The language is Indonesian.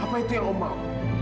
apa itu yang allah mau